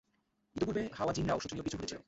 ইতোপূর্বে হাওয়াযিনরাও শোচনীয়ভাবে পিছু হটেছিল।